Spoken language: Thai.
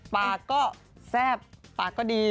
ปากก็แซ่บปากก็ดี